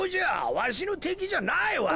わしのてきじゃないわい。